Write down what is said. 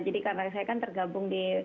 jadi karena saya kan tergabung di